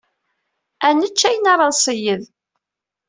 Ad nečč ayen ara d-nṣeyyed.